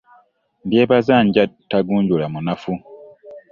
Ndyebaza ndya, tagunjulamunafu .